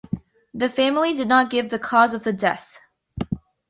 The family did not give the cause of the death.